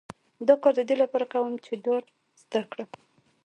دا کار د دې لپاره کوم چې ډار زده کړم